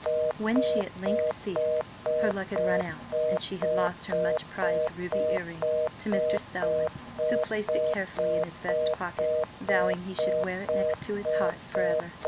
When she at length ceased, her luck had run out, and she had lost her much prized ruby earring to Mr. Selwyn, who placed it carefully in his vest pocket, vowing he should wear it next his heart for ever.